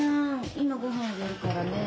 今ごはんあげるからね。